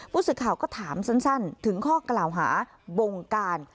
ผู้สื่อข่าวก็ถามสั้นถึงข้อกล่าวหาบงการ